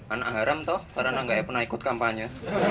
anak haram toh karena nggak pernah ikut kampanye